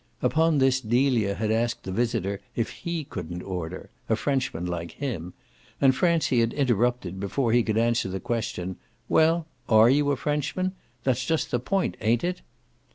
Upon this Delia had asked the visitor if HE couldn't order a Frenchman like him; and Francie had interrupted, before he could answer the question, "Well, ARE you a Frenchman? That's just the point, ain't it?"